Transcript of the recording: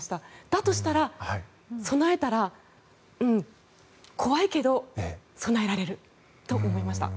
だとしたら、備えたら怖いけど備えられると思いました。